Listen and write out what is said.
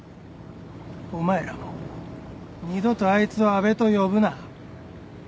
お前らも二度とあいつを阿部と呼ぶな。